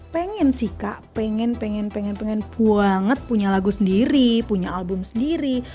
pengen sih kak pengen pengen pengen pengen banget punya lagu sendiri punya album sendiri